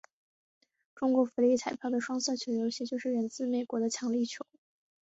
中国福利彩票的双色球游戏就是源自美国的强力球。